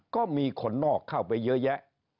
ก็มีคนนอกเข้าไปเยอะแยะ